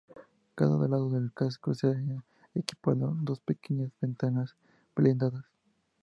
Cada lado del casco se ha equipado dos pequeñas ventanas blindadas.